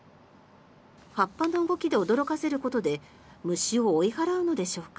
葉っぱの動きで驚かせることで虫を追い払うのでしょうか。